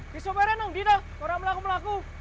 di soperin dong tidak orang melaku melaku